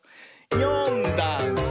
「よんだんす」